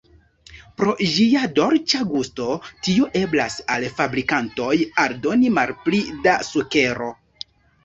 Pro ĝia dolĉa gusto, tio eblas al fabrikantoj aldoni malpli da sukero.